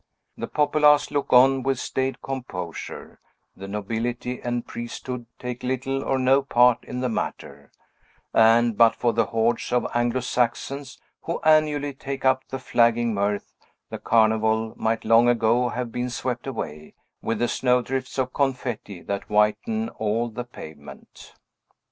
The populace look on with staid composure; the nobility and priesthood take little or no part in the matter; and, but for the hordes of Anglo Saxons who annually take up the flagging mirth, the Carnival might long ago have been swept away, with the snowdrifts of confetti that whiten all the pavement.